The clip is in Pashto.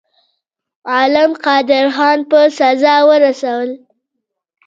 غلم قادرخان په سزا ورساوه.